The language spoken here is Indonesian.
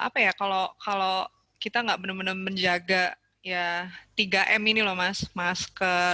apa ya kalau kita nggak benar benar menjaga ya tiga m ini loh mas masker